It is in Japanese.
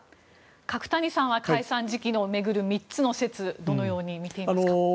角谷さんは解散時期を巡る３つの説をどのように見ていますか。